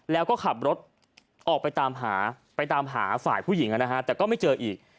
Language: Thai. แล้วก็ขับรถไปตามหาฝ่ายผู้หญิงด้วยแต่ก็ไม่เจออีก